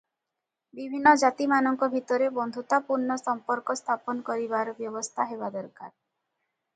ବିଭିନ୍ନ ଜାତିମାନଙ୍କ ଭିତରେ ବନ୍ଧୁତାପୂର୍ଣ୍ଣ ସମ୍ପର୍କ ସ୍ଥାପନ କରିବାର ବ୍ୟବସ୍ଥା ହେବା ଦରକାର ।